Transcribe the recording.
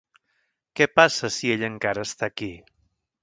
Què passa si ell encara està aquí?